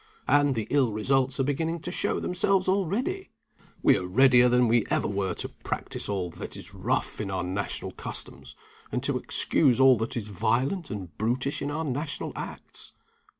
And the ill results are beginning to show themselves already! We are readier than we ever were to practice all that is rough in our national customs, and to excuse all that is violent and brutish in our national acts.